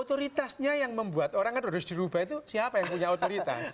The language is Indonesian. otoritasnya yang membuat orangnya terus diubah itu siapa yang punya otoritas